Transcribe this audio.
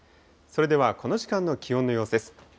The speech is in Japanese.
それでは、この時間の気温の様子です。